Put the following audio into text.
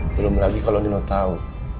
belum lagi kalau nino tahu